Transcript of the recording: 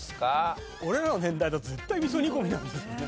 俺らの年代だと絶対味噌煮込みなんですよね。